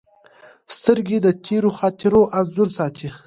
سترګې د تېرو خاطرو انځور ساتي